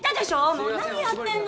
もう何やってんの！